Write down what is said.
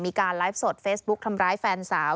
มีการไลฟ์สดเฟซบุ๊กทำร้ายแฟนสาว